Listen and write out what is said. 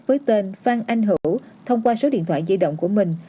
với tên phan anh hữu thông qua số điện thoại di động của mình